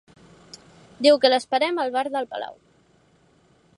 Diu que l'esperem al bar del Palau.